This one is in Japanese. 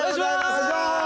お願いします！